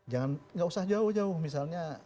jangan nggak usah jauh jauh misalnya